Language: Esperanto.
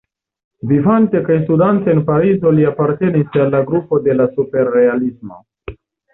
Vivante kaj studante en Parizo li apartenis al la grupo de la Superrealismo.